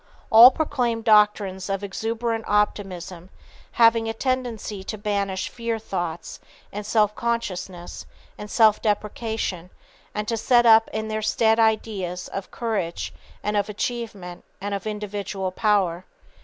All proclaim doctrines of exuberant optimism, having a tendency to banish fear thoughts and self consciousness and self depreciation, and to set up in their stead ideas of courage and of achievement and of individual power.